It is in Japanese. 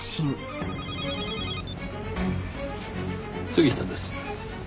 杉下です。